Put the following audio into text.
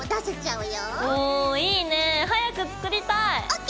おいいねぇ早く作りたい！ＯＫ。